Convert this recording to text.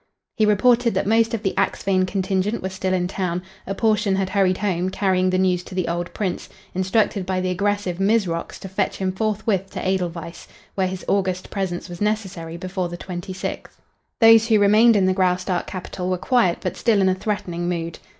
He reported that most of the Axphain contingent was still in town; a portion had hurried home, carrying the news to the old Prince, instructed by the aggressive Mizrox to fetch him forthwith to Edelweiss, where his august presence was necessary before the twenty sixth. Those who remained in the Graustark capital were quiet but still in a threatening mood.